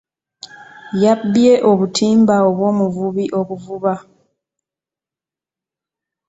Yabbeye obutimba obw'omuvubi obuvuba.